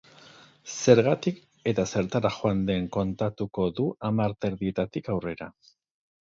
Zergatik eta zertara joan den kontatuko du hamar terdietatik aurrera.